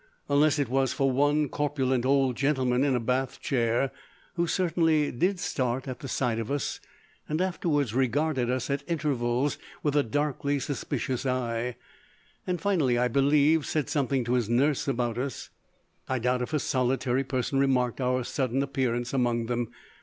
Unless it was for one corpulent old gentleman in a bath chair, who certainly did start at the sight of us and afterwards regarded us at intervals with a darkly suspicious eye, and, finally, I believe, said something to his nurse about us, I doubt if a solitary person remarked our sudden appearance among them.